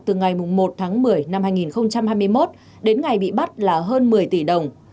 từ ngày một tháng một mươi năm hai nghìn hai mươi một đến ngày bị bắt là hơn một mươi tỷ đồng